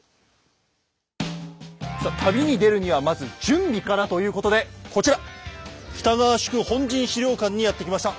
さあ旅に出るにはまず準備からということでこちら！にやって来ました。